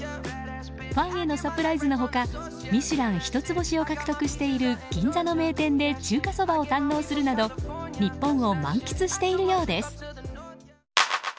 ファンヘのサプライズの他「ミシュラン」一つ星を獲得している銀座の名店で中華そばを堪能するなど日本を満喫しているようです。